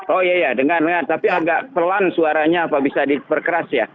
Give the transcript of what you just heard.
oh iya ya dengar dengar tapi agak pelan suaranya apa bisa diperkeras ya